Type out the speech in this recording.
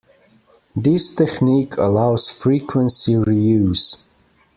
This technique allows frequency reuse.